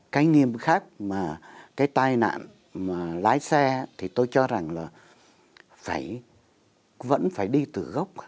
cái nghiêm khắc mà cái tai nạn mà lái xe thì tôi cho rằng là vẫn phải đi từ gốc